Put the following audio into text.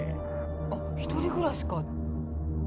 あっ１人暮らしか。